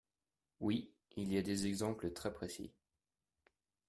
Oui, il y a des exemples très précis.